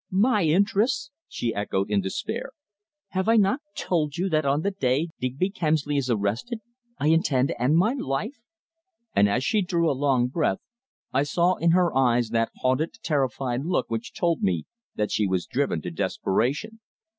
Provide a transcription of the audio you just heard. "My interests!" she echoed, in despair. "Have I not told you that on the day Digby Kemsley is arrested I intend to end my life," and as she drew a long breath, I saw in her eyes that haunted, terrified look which told me that she was driven to desperation.